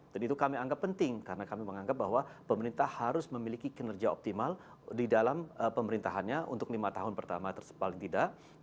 dan itu kami anggap penting karena kami menganggap bahwa pemerintah harus memiliki kinerja optimal di dalam pemerintahannya untuk lima tahun pertama paling tidak